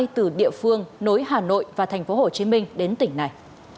từ địa phương nối hà nội và thành phố hồ chí minh đến tỉnh này